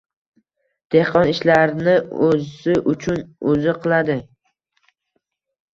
dehqon ishlarni o‘zi uchun o‘zi qiladi.